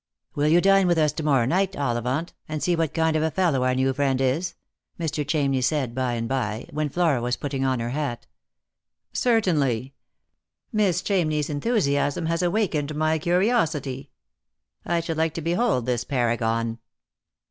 " Will you dine with us to morrow light, Ollivant, and see what kind of a fellow our new friend is r " Mr. Chamney said by and by, when Flora was putting on her hat. " Certainly. Miss Chamney's enthusiasm has awakened my curiosity. I should like to behold this paragon."